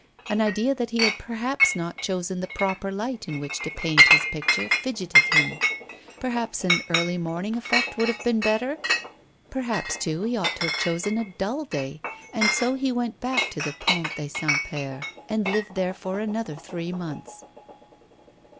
An idea that he had perhaps not chosen the proper light in which to paint his picture fidgeted him. Perhaps an early morning effect would have been better? Perhaps, too, he ought to have chosen a dull day, and so he went back to the Pont des Saint Pères, and lived there for another three months.